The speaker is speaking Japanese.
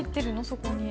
そこに。